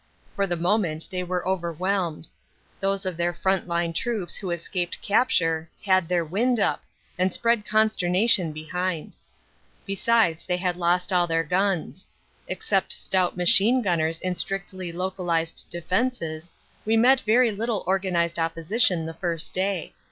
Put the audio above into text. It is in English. For the moment they were overwhelmed. Those of their front line troops who escaped capture "had their wind up," and spread consternation behind. Besides they had lost all their guns. Except stout machine gunners in strictly localized defenses, we met very little organized opposition the first day.